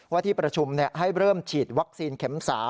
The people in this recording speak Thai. ที่ประชุมให้เริ่มฉีดวัคซีนเข็ม๓